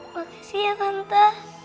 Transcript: makasih ya tante